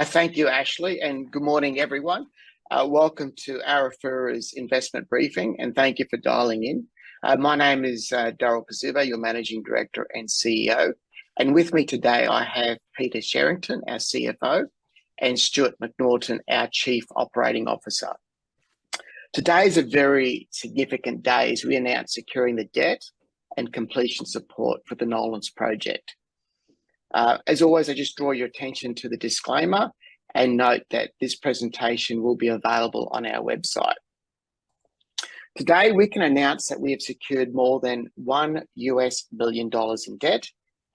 Thank you, Ashley, and good morning, everyone. Welcome to Arafura's investment briefing, and thank you for dialing in. My name is Darryl Cuzzubbo, your Managing Director and CEO, and with me today I have Peter Sherrington, our CFO, and Stuart McNaughton, our Chief Operating Officer. Today is a very significant day as we announce securing the debt and completion support for the Nolans Project. As always, I just draw your attention to the disclaimer and note that this presentation will be available on our website. Today we can announce that we have secured more than $1 billion in debt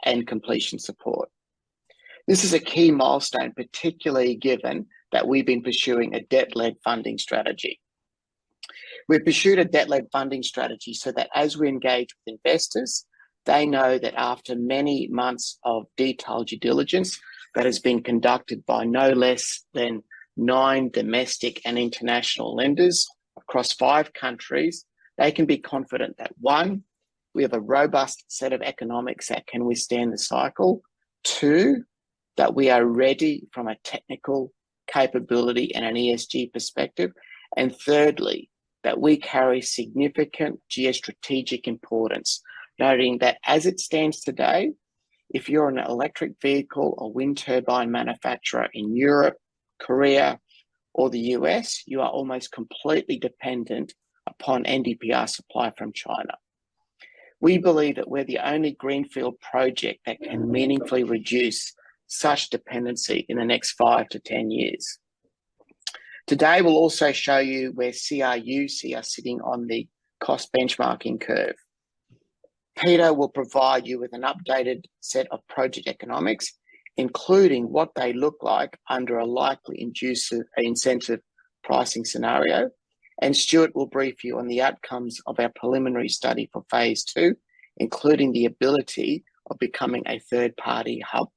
and completion support. This is a key milestone, particularly given that we've been pursuing a debt-led funding strategy. We've pursued a debt-led funding strategy so that as we engage with investors, they know that after many months of detailed due diligence that has been conducted by no less than 9 domestic and international lenders across 5 countries, they can be confident that, one, we have a robust set of economics that can withstand the cycle. Two, that we are ready from a technical capability and an ESG perspective. And thirdly, that we carry significant geostrategic importance, noting that as it stands today, if you're an electric vehicle or wind turbine manufacturer in Europe, Korea, or the US, you are almost completely dependent upon NdPr supply from China. We believe that we're the only greenfield project that can meaningfully reduce such dependency in the next 5-10 years. Today we'll also show you where CRU are sitting on the cost benchmarking curve. Peter will provide you with an updated set of project economics, including what they look like under a likely incentive pricing scenario, and Stuart will brief you on the outcomes of our preliminary study for phase two, including the ability of becoming a third-party hub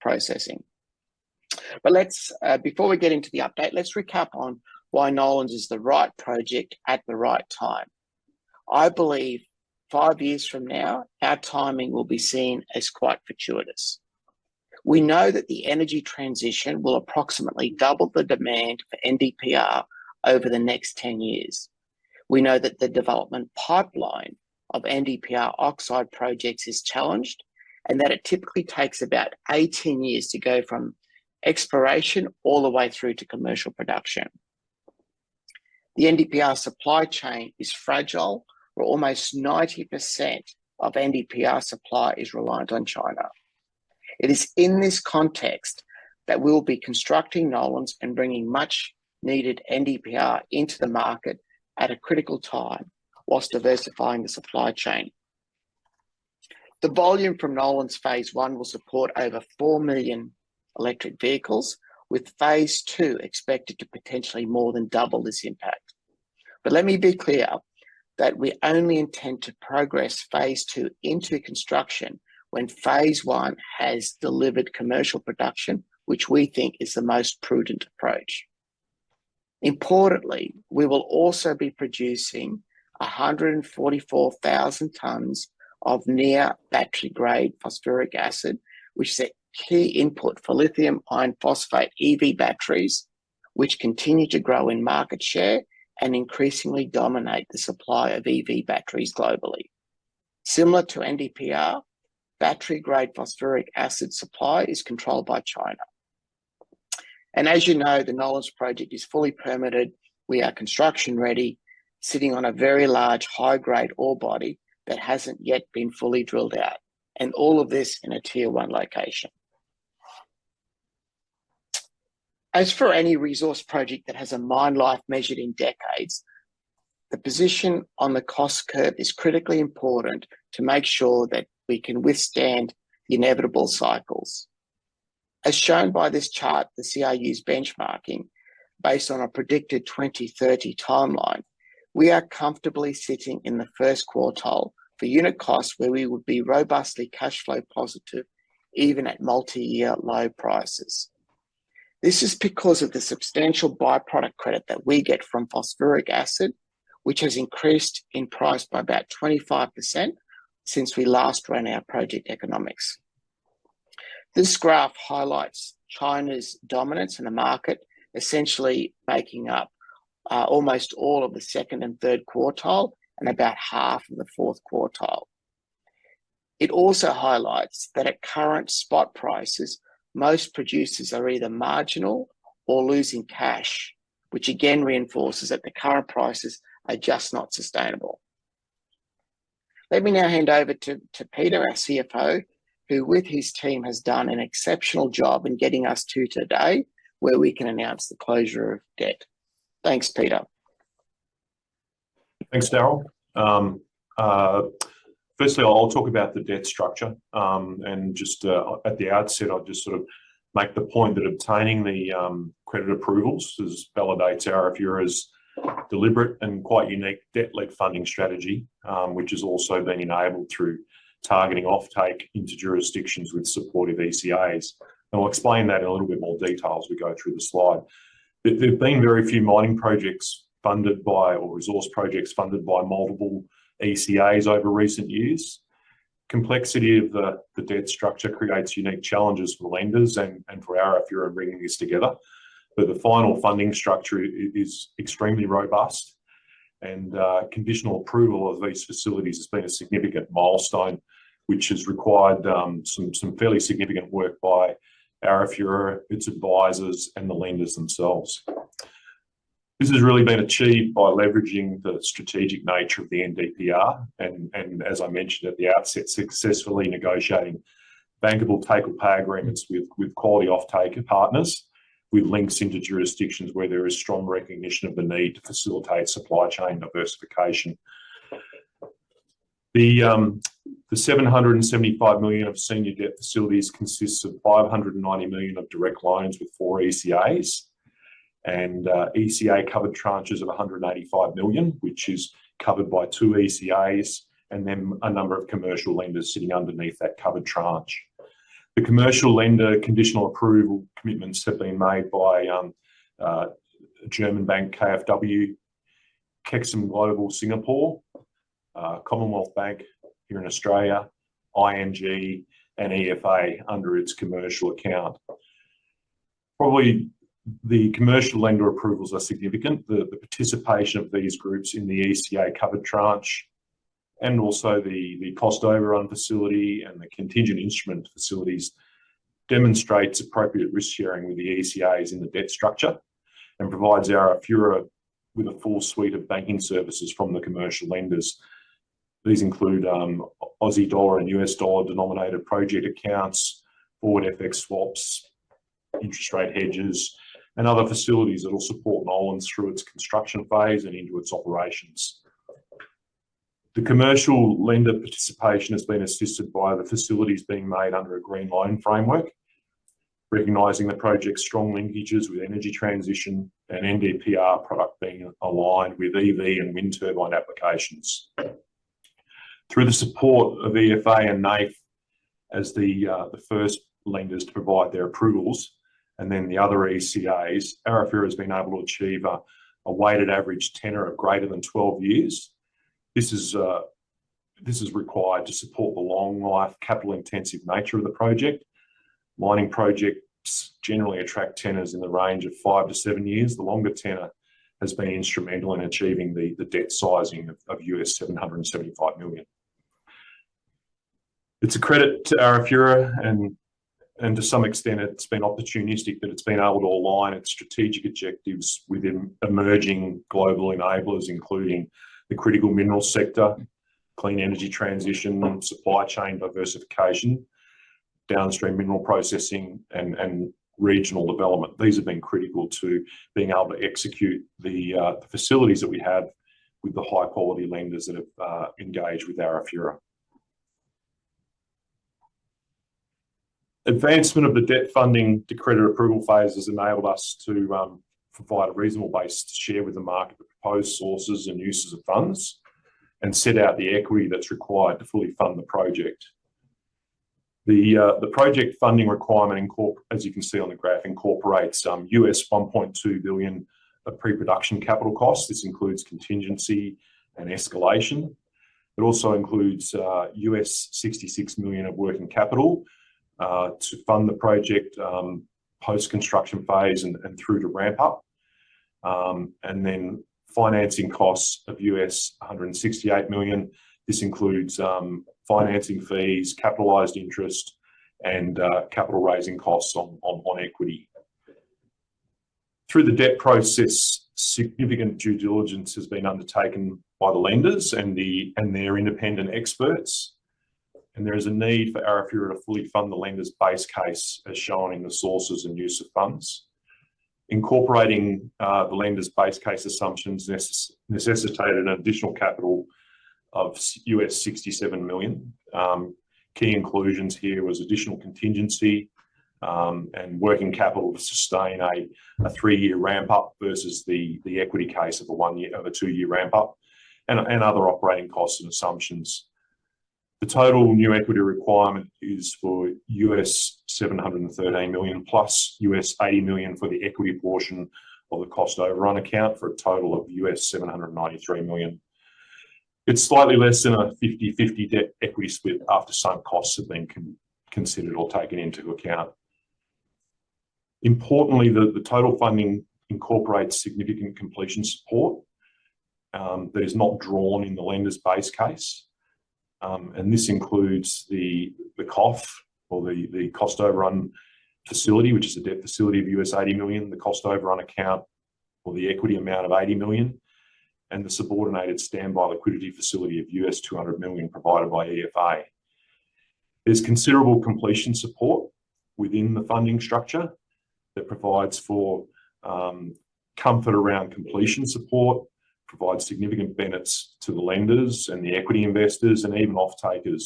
processing. But before we get into the update, let's recap on why Nolans is the right project at the right time. I believe 5 years from now, our timing will be seen as quite fortuitous. We know that the energy transition will approximately double the demand for NdPr over the next 10 years. We know that the development pipeline of NdPr oxide projects is challenged and that it typically takes about 18 years to go from exploration all the way through to commercial production. The NdPr supply chain is fragile; almost 90% of NdPr supply is reliant on China. It is in this context that we will be constructing Nolans and bringing much-needed NdPr into the market at a critical time while diversifying the supply chain. The volume from Nolans phase one will support over 4 million electric vehicles, with phase two expected to potentially more than double this impact. But let me be clear that we only intend to progress phase two into construction when phase one has delivered commercial production, which we think is the most prudent approach. Importantly, we will also be producing 144,000 tonnes of near-battery-grade phosphoric acid, which is a key input for lithium iron phosphate EV batteries, which continue to grow in market share and increasingly dominate the supply of EV batteries globally. Similar to NdPr, battery-grade phosphoric acid supply is controlled by China. And as you know, the Nolans project is fully permitted. We are construction-ready, sitting on a very large high-grade ore body that hasn't yet been fully drilled out, and all of this in a tier one location. As for any resource project that has a mine life measured in decades, the position on the cost curve is critically important to make sure that we can withstand the inevitable cycles. As shown by this chart, the CRU's benchmarking based on a predicted 2030 timeline. We are comfortably sitting in the first quartile for unit costs, where we would be robustly cash flow positive even at multi-year low prices. This is because of the substantial byproduct credit that we get from phosphoric acid, which has increased in price by about 25% since we last ran our project economics. This graph highlights China's dominance in the market, essentially making up almost all of the second and third quartile and about half of the fourth quartile. It also highlights that at current spot prices, most producers are either marginal or losing cash, which again reinforces that the current prices are just not sustainable. Let me now hand over to Peter, our CFO, who with his team has done an exceptional job in getting us to today where we can announce the closure of debt. Thanks, Peter. Thanks, Darryl. Firstly, I'll talk about the debt structure. Just at the outset, I'll just sort of make the point that obtaining the credit approvals validates our FID as deliberate and quite unique debt-led funding strategy, which has also been enabled through targeting offtake into jurisdictions with supportive ECAs. We'll explain that in a little bit more detail as we go through the slide. There have been very few mining projects funded by or resource projects funded by multiple ECAs over recent years. Complexity of the debt structure creates unique challenges for lenders and for Arafura in bringing this together. The final funding structure is extremely robust, and conditional approval of these facilities has been a significant milestone, which has required some fairly significant work by Arafura, its advisors, and the lenders themselves. This has really been achieved by leveraging the strategic nature of the NdPr, and as I mentioned at the outset, successfully negotiating bankable take-or-pay agreements with quality offtake partners with links into jurisdictions where there is strong recognition of the need to facilitate supply chain diversification. The 775 million of senior debt facilities consists of 590 million of direct lines with four ECAs and ECA-covered tranches of 185 million, which is covered by two ECAs and then a number of commercial lenders sitting underneath that covered tranche. The commercial lender conditional approval commitments have been made by German bank KfW, KEXIM Global (Singapore), Commonwealth Bank here in Australia, ING, and EFA under its commercial account. Probably the commercial lender approvals are significant. The participation of these groups in the ECA-covered tranche and also the cost overrun facility and the contingent instrument facilities demonstrates appropriate risk sharing with the ECAs in the debt structure and provides Arafura with a full suite of banking services from the commercial lenders. These include Aussie dollar and US dollar denominated project accounts, forward FX swaps, interest rate hedges, and other facilities that will support Nolans through its construction phase and into its operations. The commercial lender participation has been assisted by the facilities being made under a green loan framework, recognizing the project's strong linkages with energy transition and NdPr product being aligned with EV and wind turbine applications. Through the support of EFA and NAIF as the first lenders to provide their approvals and then the other ECAs, Arafura has been able to achieve a weighted average tenor of greater than 12 years. This is required to support the long-life, capital-intensive nature of the project. Mining projects generally attract tenors in the range of five to seven years. The longer tenor has been instrumental in achieving the debt sizing of $775 million. It's a credit to Arafura, and to some extent, it's been opportunistic that it's been able to align its strategic objectives with emerging global enablers, including the critical mineral sector, clean energy transition, supply chain diversification, downstream mineral processing, and regional development. These have been critical to being able to execute the facilities that we have with the high-quality lenders that have engaged with Arafura. Advancement of the debt funding to credit approval phases has enabled us to provide a reasonable base to share with the market the proposed sources and uses of funds and set out the equity that's required to fully fund the project. The project funding requirement, as you can see on the graph, incorporates $1.2 billion of pre-production capital costs. This includes contingency and escalation. It also includes $66 million of working capital to fund the project post-construction phase and through to ramp up. And then financing costs of $168 million. This includes financing fees, capitalized interest, and capital raising costs on equity. Through the debt process, significant due diligence has been undertaken by the lenders and their independent experts, and there is a need for Arafura to fully fund the lenders' base case, as shown in the sources and use of funds. Incorporating the lenders' base case assumptions necessitated an additional capital of $67 million. Key inclusions here were additional contingency and working capital to sustain a three-year ramp up versus the equity case of a two-year ramp up and other operating costs and assumptions. The total new equity requirement is for $713 million plus $80 million for the equity portion of the cost overrun account for a total of $793 million. It's slightly less than a 50/50 debt equity split after some costs have been considered or taken into account. Importantly, the total funding incorporates significant completion support that is not drawn in the lenders' base case. This includes the COF or the cost overrun facility, which is a debt facility of $80 million, the cost overrun account for the equity amount of $80 million, and the subordinated standby liquidity facility of $200 million provided by EFA. There's considerable completion support within the funding structure that provides for comfort around completion support, provides significant benefits to the lenders and the equity investors and even offtakers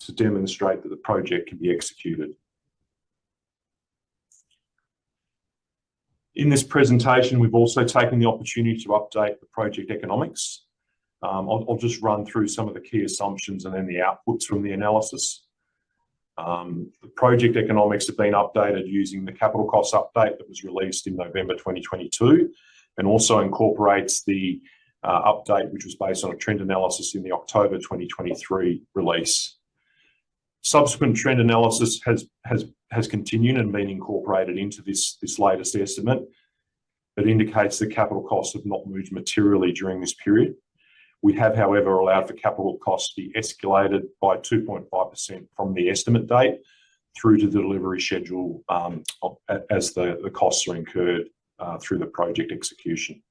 to demonstrate that the project can be executed. In this presentation, we've also taken the opportunity to update the project economics. I'll just run through some of the key assumptions and then the outputs from the analysis. The project economics have been updated using the capital costs update that was released in November 2022 and also incorporates the update, which was based on a trend analysis in the October 2023 release. Subsequent trend analysis has continued and been incorporated into this latest estimate. It indicates the capital costs have not moved materially during this period. We have, however, allowed for capital costs to be escalated by 2.5% from the estimate date through to the delivery schedule as the costs are incurred through the project execution.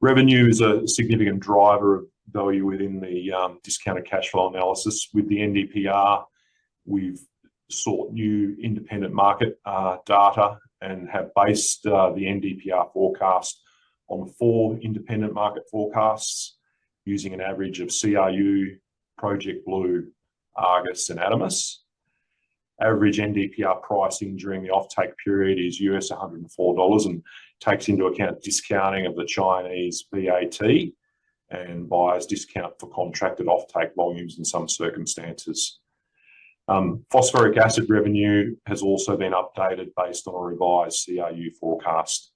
Revenue is a significant driver of value within the discounted cash flow analysis. With the NdPr, we've sought new independent market data and have based the NdPr forecast on four independent market forecasts using an average of CRU, Project Blue, Argus, and Adamas. Average NdPr pricing during the offtake period is $104 and takes into account discounting of the Chinese VAT and buyer's discount for contracted offtake volumes in some circumstances. Phosphoric acid revenue has also been updated based on a revised CRU forecast.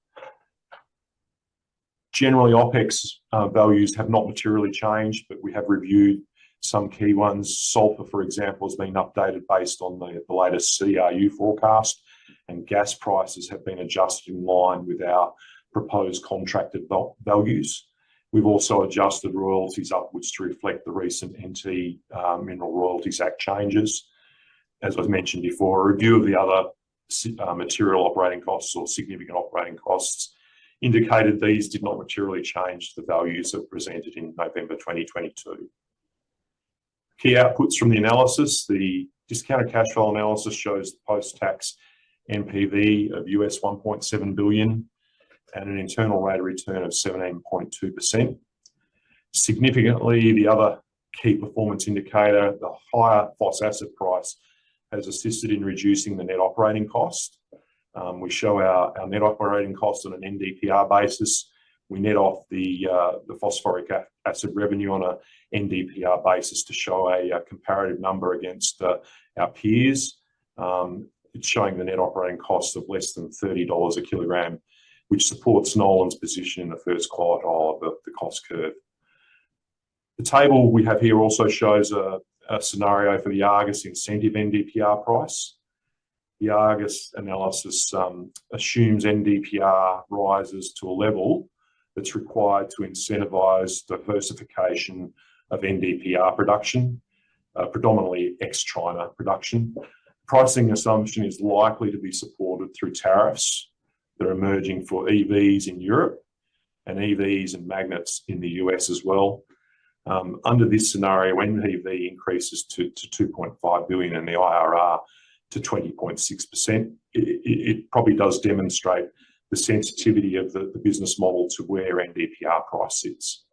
Generally, OPEX values have not materially changed, but we have reviewed some key ones. Sulfur, for example, has been updated based on the latest CRU forecast, and gas prices have been adjusted in line with our proposed contracted values. We've also adjusted royalties upwards to reflect the recent NT Mineral Royalty Act changes. As I've mentioned before, a review of the other material operating costs or significant operating costs indicated these did not materially change the values that were presented in November 2022. Key outputs from the analysis. The discounted cash flow analysis shows post-tax NPV of $1.7 billion and an internal rate of return of 17.2%. Significantly, the other key performance indicator, the higher phosphoric acid price, has assisted in reducing the net operating cost. We show our net operating cost on an NdPr basis. We net off the phosphoric acid revenue on an NdPr basis to show a comparative number against our peers. It's showing the net operating cost of less than $30 a kilogram, which supports Nolans' position in the first quartile of the cost curve. The table we have here also shows a scenario for the Argus incentive NdPr price. The Argus analysis assumes NdPr rises to a level that's required to incentivize diversification of NdPr production, predominantly ex-China production. Pricing assumption is likely to be supported through tariffs that are emerging for EVs in Europe and EVs and magnets in the US as well. Under this scenario, when NdPr increases to $2.5 billion and the IRR to 20.6%, it probably does demonstrate the sensitivity of the business model to where NdPr price sits.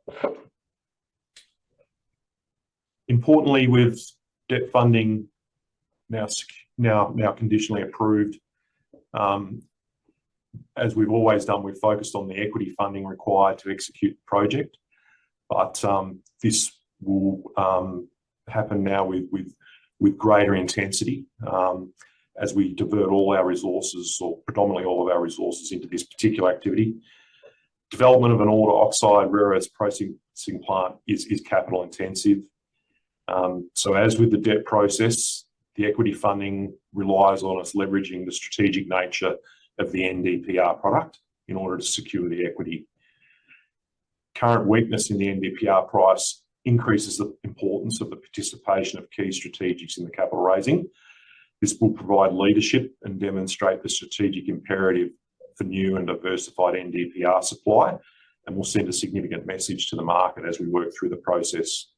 Importantly, with debt funding now conditionally approved, as we've always done, we've focused on the equity funding required to execute the project. This will happen now with greater intensity as we divert all our resources, or predominantly all of our resources, into this particular activity. Development of an ore-to-oxide rare earths processing plant is capital intensive. So, as with the debt process, the equity funding relies on us leveraging the strategic nature of the NdPr product in order to secure the equity. Current weakness in the NdPr price increases the importance of the participation of key strategics in the capital raising. This will provide leadership and demonstrate the strategic imperative for new and diversified NdPr supply and will send a significant message to the market as we work through the process.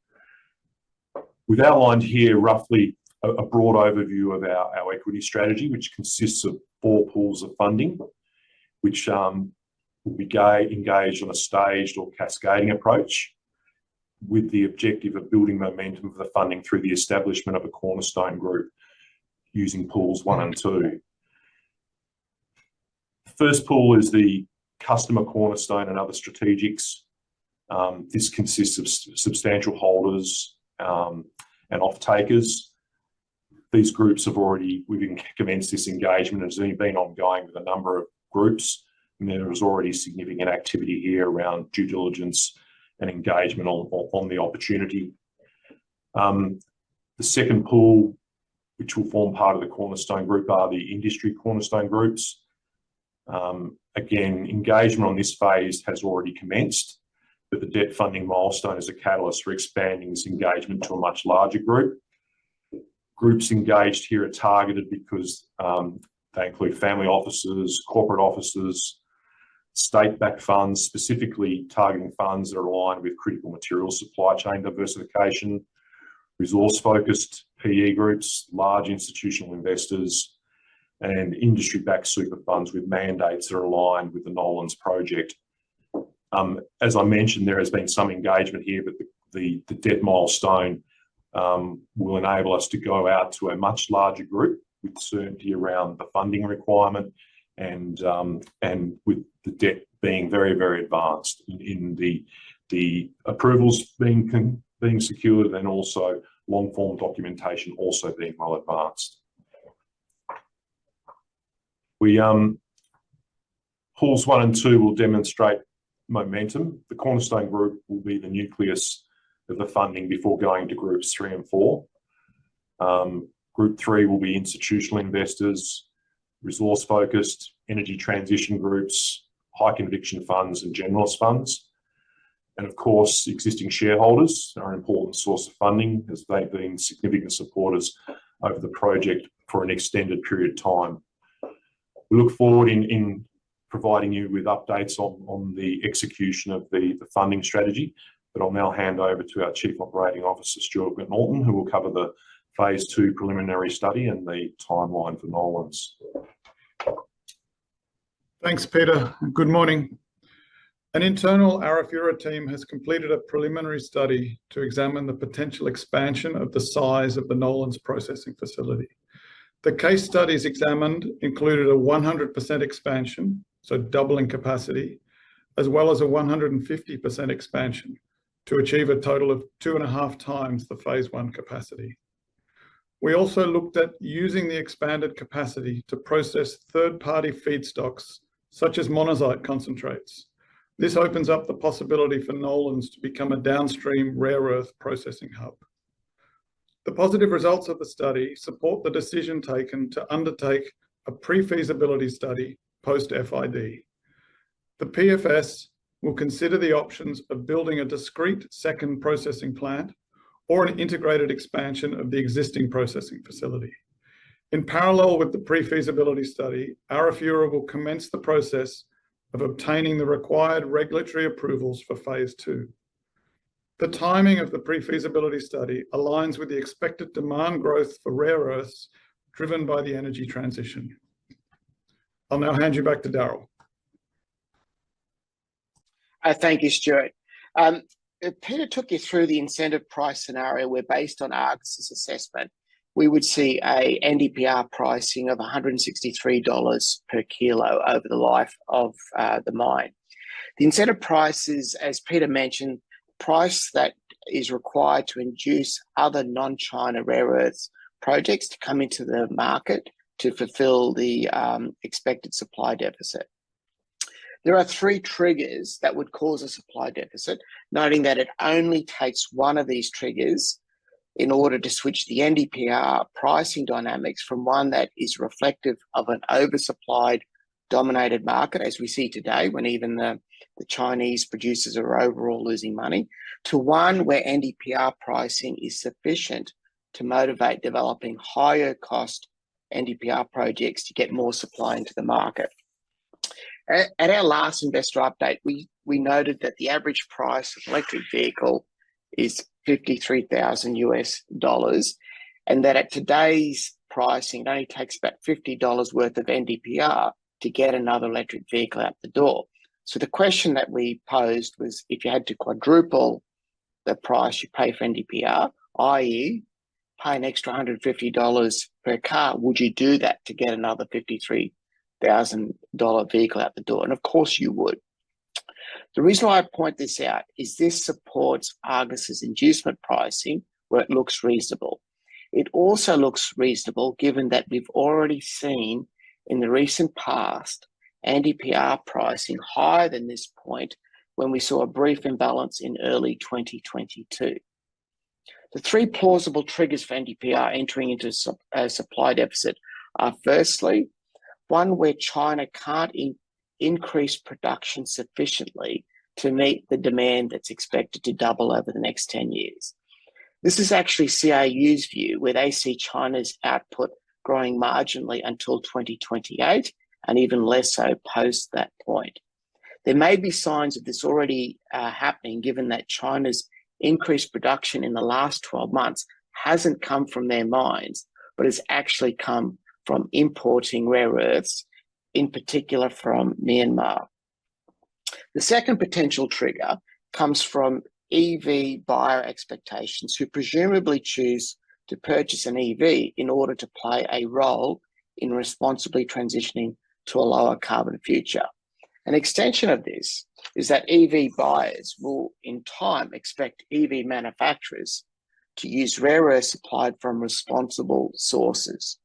We've outlined here roughly a broad overview of our equity strategy, which consists of four pools of funding, which will be engaged on a staged or cascading approach with the objective of building momentum for the funding through the establishment of a cornerstone group using pools one and two. The first pool is the customer cornerstone and other strategics. This consists of substantial holders and offtakers. These groups have already commenced this engagement and have been ongoing with a number of groups. There was already significant activity here around due diligence and engagement on the opportunity. The second pool, which will form part of the cornerstone group, are the industry cornerstone groups. Again, engagement on this phase has already commenced, but the debt funding milestone is a catalyst for expanding this engagement to a much larger group. Groups engaged here are targeted because they include family offices, corporate offices, state-backed funds, specifically targeting funds that are aligned with critical material supply chain diversification, resource-focused PE groups, large institutional investors, and industry-backed super funds with mandates that are aligned with the Nolans Project. As I mentioned, there has been some engagement here, but the debt milestone will enable us to go out to a much larger group with certainty around the funding requirement and with the debt being very, very advanced in the approvals being secured and also long-form documentation also being well advanced. Pools one and two will demonstrate momentum. The cornerstone group will be the nucleus of the funding before going to groups three and four. Group three will be institutional investors, resource-focused energy transition groups, high-conviction funds, and generalist funds. And, of course, existing shareholders are an important source of funding as they've been significant supporters of the project for an extended period of time. We look forward in providing you with updates on the execution of the funding strategy, but I'll now hand over to our Chief Operating Officer, Stuart McNaughton, who will cover the Phase 2 preliminary study and the timeline for Nolans. Thanks, Peter. Good morning. An internal Arafura team has completed a preliminary study to examine the potential expansion of the size of the Nolans processing facility. The case studies examined included a 100% expansion, so doubling capacity, as well as a 150% expansion to achieve a total of 2.5 times the Phase 1 capacity. We also looked at using the expanded capacity to process third-party feedstocks such as monazite concentrates. This opens up the possibility for Nolans to become a downstream rare earth processing hub. The positive results of the study support the decision taken to undertake a pre-feasibility study post-FID. The PFS will consider the options of building a discrete second processing plant or an integrated expansion of the existing processing facility. In parallel with the pre-feasibility study, Arafura will commence the process of obtaining the required regulatory approvals for phase two. The timing of the pre-feasibility study aligns with the expected demand growth for rare earths driven by the energy transition. I'll now hand you back to Darryl. Thank you, Stuart. Peter took you through the incentive price scenario where, based on Argus's assessment, we would see an NdPr pricing of $163 per kilo over the life of the mine. The incentive price is, as Peter mentioned, the price that is required to induce other non-China rare earths projects to come into the market to fulfill the expected supply deficit. There are three triggers that would cause a supply deficit, noting that it only takes one of these triggers in order to switch the NdPr pricing dynamics from one that is reflective of an oversupplied dominated market, as we see today when even the Chinese producers are overall losing money, to one where NdPr pricing is sufficient to motivate developing higher-cost NdPr projects to get more supply into the market. At our last investor update, we noted that the average price of an electric vehicle is $53,000 and that at today's pricing, it only takes about $50 worth of NdPr to get another electric vehicle out the door. So the question that we posed was, if you had to quadruple the price you pay for NdPr, i.e., pay an extra $150 per car, would you do that to get another $53,000 vehicle out the door? And, of course, you would. The reason why I point this out is this supports Argus's incentive pricing where it looks reasonable. It also looks reasonable given that we've already seen in the recent past NdPr pricing higher than this point when we saw a brief imbalance in early 2022. The three plausible triggers for NdPr entering into a supply deficit are, firstly, one where China can't increase production sufficiently to meet the demand that's expected to double over the next 10 years. This is actually CRU's view where they see China's output growing marginally until 2028 and even less so post that point. There may be signs of this already happening given that China's increased production in the last 12 months hasn't come from their mines but has actually come from importing rare earths, in particular from Myanmar. The second potential trigger comes from EV buyer expectations who presumably choose to purchase an EV in order to play a role in responsibly transitioning to a lower carbon future. An extension of this is that EV buyers will, in time, expect EV manufacturers to use rare earths supplied from responsible sources.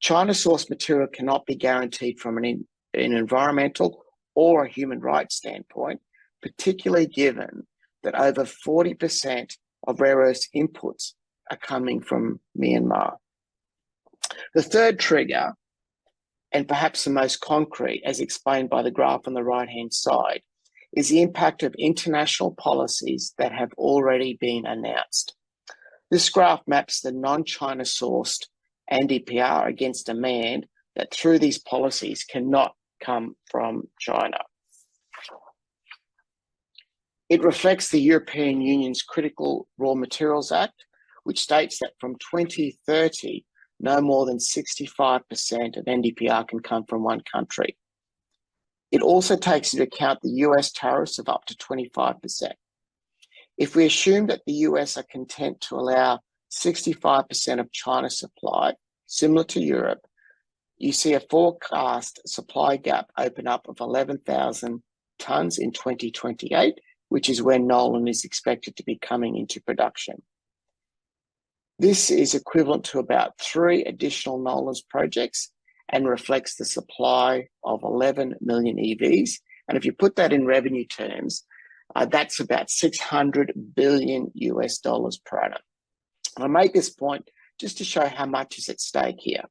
China-source material cannot be guaranteed from an environmental or a human rights standpoint, particularly given that over 40% of rare earths inputs are coming from Myanmar. The third trigger, and perhaps the most concrete, as explained by the graph on the right-hand side, is the impact of international policies that have already been announced. This graph maps the non-China-sourced NdPr against demand that, through these policies, cannot come from China. It reflects the European Union's Critical Raw Materials Act, which states that from 2030, no more than 65% of NdPr can come from one country. It also takes into account the U.S. tariffs of up to 25%. If we assume that the U.S. are content to allow 65% of China supply, similar to Europe, you see a forecast supply gap open up of 11,000 tons in 2028, which is when Nolans is expected to be coming into production. This is equivalent to about three additional Nolans projects and reflects the supply of 11 million EVs. And if you put that in revenue terms, that's about $600 billion per annum. I make this point just to show how much is at stake here.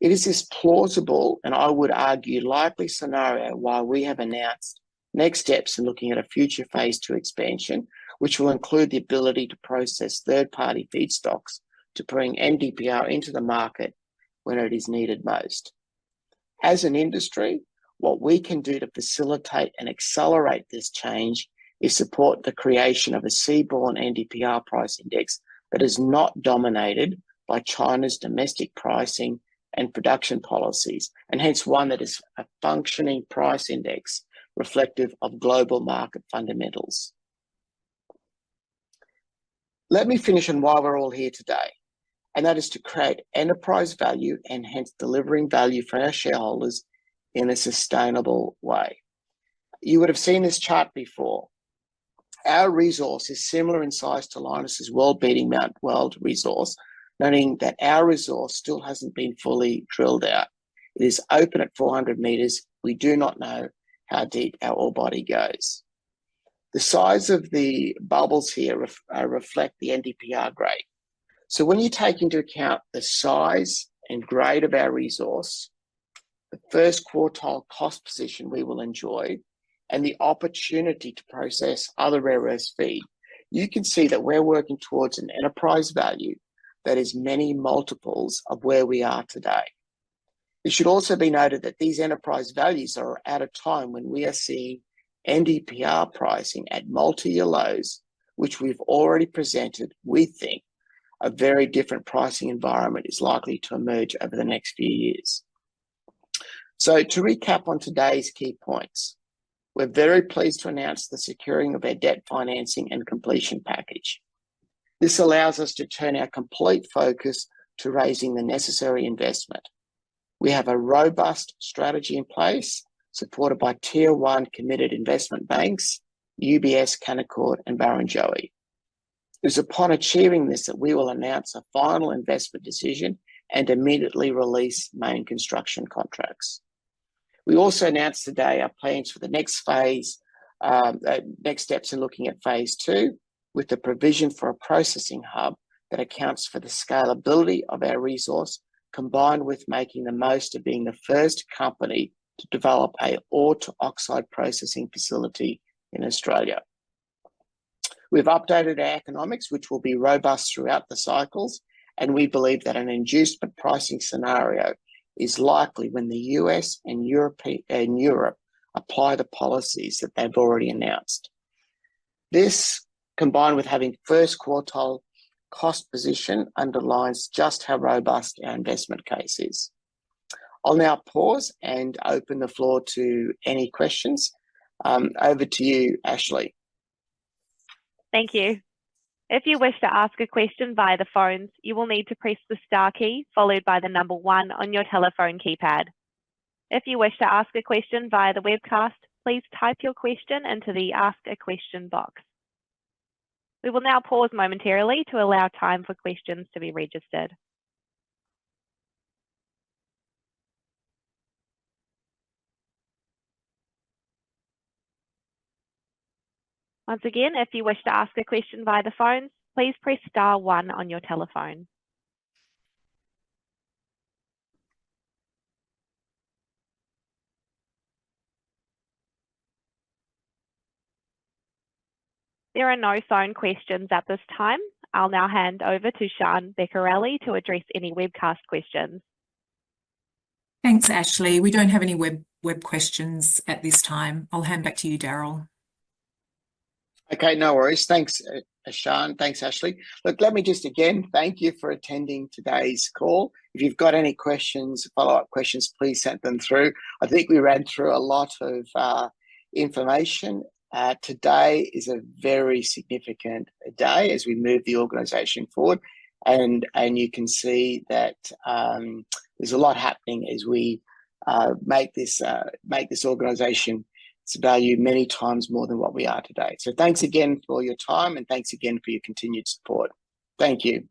It is this plausible and I would argue likely scenario why we have announced next steps in looking at a future phase two expansion, which will include the ability to process third-party feedstocks to bring NdPr into the market when it is needed most. As an industry, what we can do to facilitate and accelerate this change is support the creation of a seaborne NdPr price index that is not dominated by China's domestic pricing and production policies, and hence one that is a functioning price index reflective of global market fundamentals. Let me finish on why we're all here today, and that is to create enterprise value and hence delivering value for our shareholders in a sustainable way. You would have seen this chart before. Our resource is similar in size to Lynas's world-beating Mt Weld resource, noting that our resource still hasn't been fully drilled out. It is open at 400 meters. We do not know how deep our ore body goes. The size of the bubbles here reflect the NdPr grade. So when you take into account the size and grade of our resource, the first quartile cost position we will enjoy, and the opportunity to process other rare earths feed, you can see that we're working towards an enterprise value that is many multiples of where we are today. It should also be noted that these enterprise values are at a time when we are seeing NdPr pricing at multi-year lows, which we've already presented; we think a very different pricing environment is likely to emerge over the next few years. So to recap on today's key points, we're very pleased to announce the securing of our debt financing and completion package. This allows us to turn our complete focus to raising the necessary investment. We have a robust strategy in place supported by tier one committed investment banks, UBS, Canaccord, and Barrenjoey. It is upon achieving this that we will announce a Final Investment Decision and immediately release main construction contracts. We also announced today our plans for the next steps in looking at phase two with the provision for a processing hub that accounts for the scalability of our resource, combined with making the most of being the first company to develop an ore-to-oxide processing facility in Australia. We've updated our economics, which will be robust throughout the cycles, and we believe that an incentive pricing scenario is likely when the U.S. and Europe apply the policies that they've already announced. This, combined with having first quartile cost position, underlines just how robust our investment case is. I'll now pause and open the floor to any questions. Over to you, Ashley. Thank you. If you wish to ask a question via the phones, you will need to press the star key followed by the number one on your telephone keypad. If you wish to ask a question via the webcast, please type your question into the ask a question box. We will now pause momentarily to allow time for questions to be registered. Once again, if you wish to ask a question via the phones, please press star one on your telephone. There are no phone questions at this time. I'll now hand over to Shaan Beccarelli to address any webcast questions. Thanks, Ashley. We don't have any web questions at this time. I'll hand back to you, Darryl. Okay, no worries. Thanks, Shaan. Thanks, Ashley. Look, let me just again thank you for attending today's call. If you've got any questions, follow-up questions, please send them through. I think we ran through a lot of information. Today is a very significant day as we move the organization forward. You can see that there's a lot happening as we make this organization its value many times more than what we are today. So thanks again for your time, and thanks again for your continued support. Thank you.